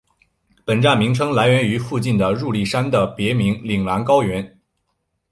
本站名称来源于附近的入笠山的别名铃兰高原。